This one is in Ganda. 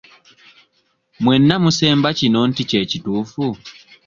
Mwenna musemba kino nti kye kituufu?